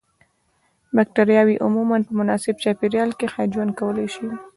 بکټریاوې عموماً په مناسب چاپیریال کې ښه ژوند کولای شي.